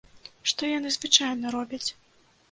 Што яны звычайна робяць?